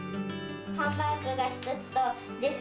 ハンバーグが１つと、デス